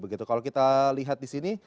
kalau kita lihat disini